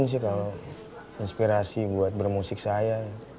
mas sandi adalah inspirasi buat bermusik saya